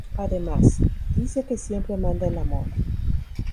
Además, dice que siempre manda el amor.